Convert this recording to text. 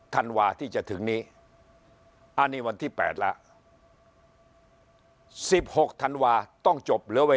ธันวาที่จะถึงนี้อันนี้วันที่๘แล้ว๑๖ธันวาต้องจบเหลือไว้